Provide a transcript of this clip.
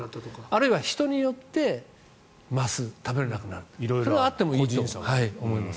あるいは人によって増す、食べられなくなるそれはあると思います。